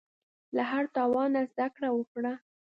له هر تاوان نه زده کړه وکړه.